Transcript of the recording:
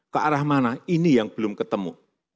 ke arah mana ini yang belum ketemu